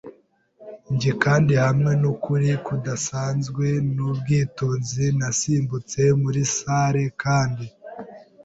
njye, kandi hamwe nukuri kudasanzwe nubwitonzi, nasimbutse muri salle kandi